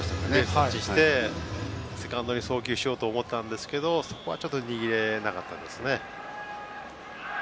そして、セカンドに送球しようと思ったんですがそこは握れなかったですね。